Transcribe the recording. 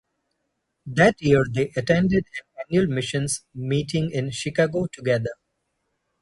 That year they attended an annual missions meeting in Chicago together.